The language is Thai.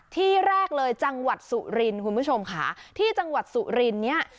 ที่แรกเลยจังหวัดสุรินทร์คุณผู้ชมค่ะที่จังหวัดสุรินเนี่ย